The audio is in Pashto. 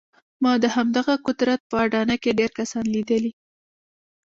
ما د همدغه قدرت په اډانه کې ډېر کسان ليدلي.